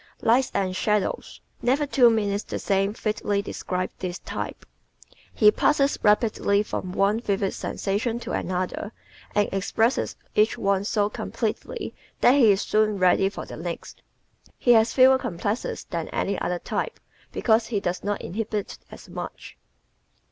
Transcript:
Lights and Shadows ¶ "Never two minutes the same" fitly describes this type. He passes rapidly from one vivid sensation to another and expresses each one so completely that he is soon ready for the next. He has fewer complexes than any other type because he does not inhibit as much.